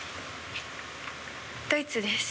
ドイツです。